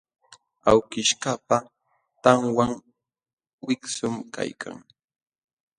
Awkishkaqpa tanwan wiksum kaykan.